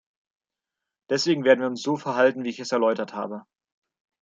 Deswegen werden wir uns so verhalten, wie ich es erläutert habe.